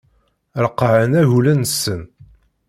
Reqqɛen agulen-nsen.